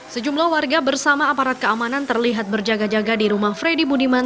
sejumlah warga bersama aparat keamanan terlihat berjaga jaga di rumah freddy budiman